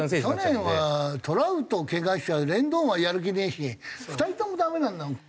去年はトラウトけがしちゃうレンドンはやる気ねえし２人ともダメなんだもん。